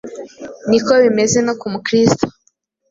ni ko bimeze no ku mukristo.